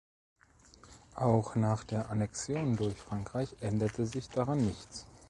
Auch nach der Annexion durch Frankreich änderte sich daran nichts.